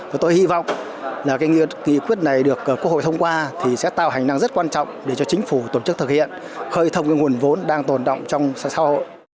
và tôi hy vọng là cái nghị quyết này được quốc hội thông qua thì sẽ tạo hành năng rất quan trọng để cho chính phủ tổ chức thực hiện khơi thông cái nguồn vốn đang tồn động trong xã hội